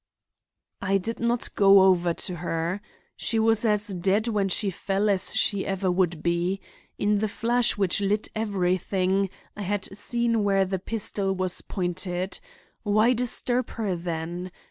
"I did not go over to her. She was as dead when she fell as she ever would be. In the flash which lit everything, I had seen where her pistol was pointed. Why disturb her then?